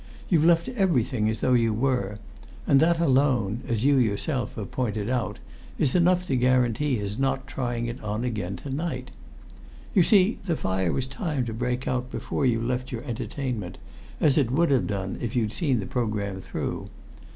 You've left everything as though you were; and that alone, as you yourself have pointed out, is enough to guarantee his not trying it on again to night. You see, the fire was timed to break out before you left your entertainment, as it would have done if you'd seen the programme through.